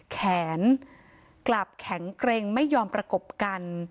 แขนกลับแข็งเกร็งไม่ยอมประกบกัน